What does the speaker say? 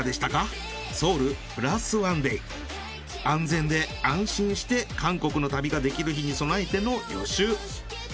安全で安心して韓国の旅ができる日に備えての予習。